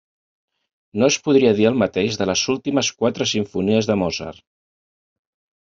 No es podria dir el mateix de les últimes quatre simfonies de Mozart.